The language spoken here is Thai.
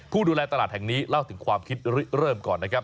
ผู้ดูแลตลาดแห่งนี้เล่าถึงความคิดเริ่มก่อนนะครับ